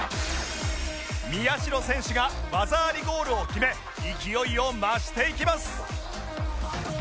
宮代選手が技ありゴールを決め勢いを増していきます